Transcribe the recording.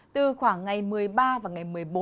từ khoảng ngày một mươi ba và ngày một mươi bốn